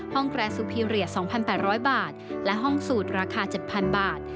แกรนซูพีเรียส๒๘๐๐บาทและห้องสูตรราคา๗๐๐บาท